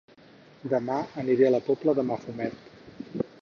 Dema aniré a La Pobla de Mafumet